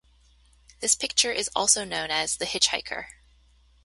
This picture is also known as "The Hitchhiker".